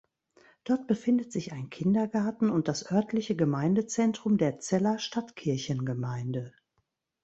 Dort befindet sich ein Kindergarten und das örtliche Gemeindezentrum der Celler Stadtkirchengemeinde.